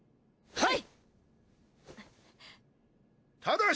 はい！